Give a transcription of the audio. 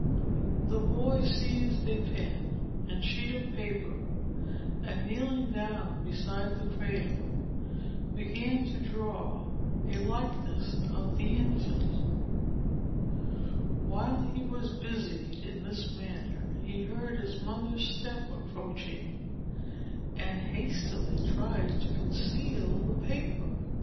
The boy seized a pen and sheet of paper, and kneeling down beside the cradle, began to draw a likeness of the infant. While he was busied in this manner, he heard his mother's step approaching, and hastily tried to conceal the paper.